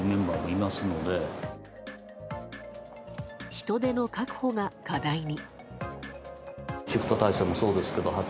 人手の確保が課題に。